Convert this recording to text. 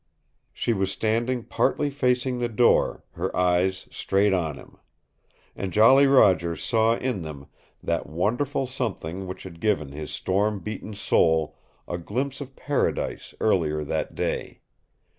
She was standing partly facing the door, her eyes straight on him. And Jolly Roger saw in them that wonderful something which had given his storm beaten soul a glimpse of paradise earlier that day.